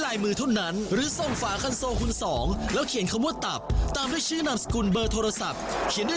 ให้ให้พี่ต่อยอดภาคชีพนับไปได้